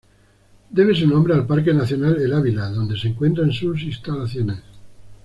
Debe su nombre al Parque nacional El Ávila donde se encuentran sus instalaciones.